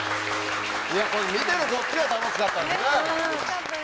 見てるこっちが楽しかったですね。